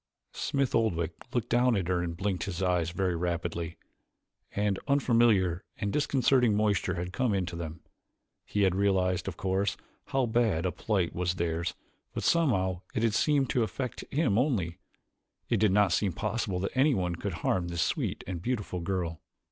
Smith Oldwick looked down at her and blinked his eyes very rapidly. An unfamiliar and disconcerting moisture had come into them. He had realized, of course, how bad a plight was theirs but somehow it had seemed to affect him only: it did not seem possible that anyone could harm this sweet and beautiful girl.